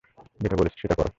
যেটা বলেছি সেটা কোর।